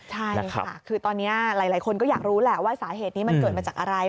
ใช่ค่ะคือตอนนี้หลายคนก็อยากรู้แหละว่าสาเหตุนี้มันเกิดมาจากอะไร